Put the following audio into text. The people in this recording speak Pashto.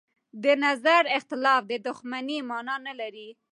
د نظر اختلاف د دښمنۍ مانا نه لري